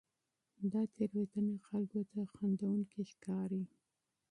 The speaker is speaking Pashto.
دا تېروتنې خلکو ته خندوونکې ښکاري.